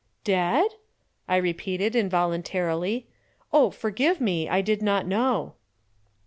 "Dead?" I repeated involuntarily. "Oh, forgive me, I did not know."